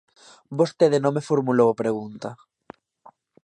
Vostede non me formulou a pregunta.